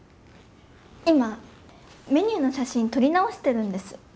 今メニューの写真撮り直してるんです。